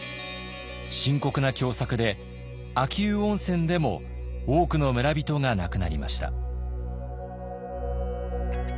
深刻な凶作で秋保温泉でも多くの村人が亡くなりました。